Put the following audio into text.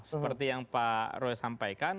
seperti yang pak roy sampaikan